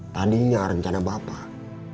tadinya rencana bapak